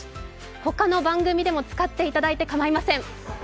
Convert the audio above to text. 他の番組でも使っていただいてかまいません。